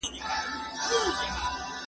ماشومان باید له بدو کارونو منع سي.